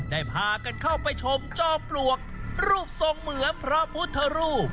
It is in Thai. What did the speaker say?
ได้พากันเข้าไปชมจอมปลวกรูปทรงเหมือนพระพุทธรูป